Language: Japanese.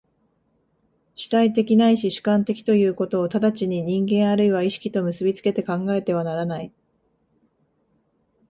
主体的ないし主観的ということを直ちに人間或いは意識と結び付けて考えてはならない。